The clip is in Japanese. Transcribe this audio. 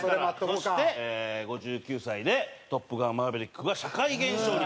そして５９歳で『トップガンマーヴェリック』が社会現象に。